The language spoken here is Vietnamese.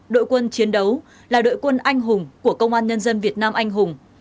đội quân chiến đấu là đội quân anh hùng của công an nhân dân việt nam anh hùng